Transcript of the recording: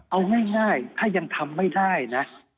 เอาง่ายถ้ายังทำไม่ได้นะ